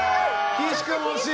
岸君、惜しい。